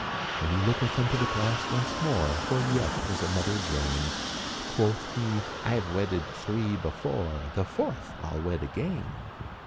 And he looketh into the glass once more, Where yet was another drain. Quoth he, "I've wedded three before," "The fourth I'll wed again."